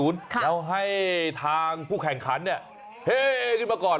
แล้วให้ทางผู้แข่งขันเนี่ยเฮ่ขึ้นมาก่อน